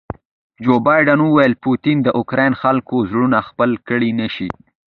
جو بایډن وویل پوټین د اوکراین خلکو زړونه خپل کړي نه شي.